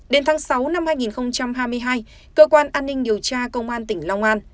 đến tháng sáu năm hai nghìn hai mươi hai cơ quan an ninh điều tra công an tỉnh long an